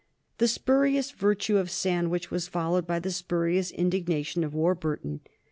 The spurious virtue of Sandwich was followed by the spurious indignation of Warburton.